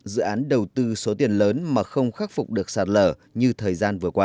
dự án đầu tư số tiền lớn mà không khắc phục được sạt lở như thời gian vừa qua